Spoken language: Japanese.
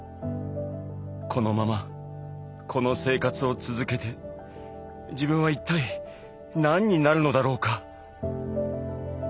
「このままこの生活を続けて自分は一体何になるのだろうか」。